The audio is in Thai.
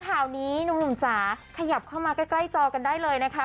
ข่าวนี้หนุ่มจ๋าขยับเข้ามาใกล้จอกันได้เลยนะคะ